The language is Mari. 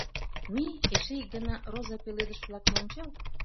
— Мий, эше ик гана роза пеледыш-влакым ончал.